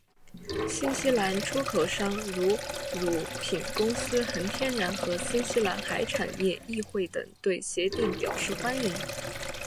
新西兰出口商如乳品公司恒天然和新西兰海产业议会等对协定表示欢迎。